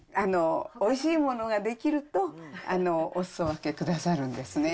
おいしいものが出来ると、おすそ分けくださるんですね。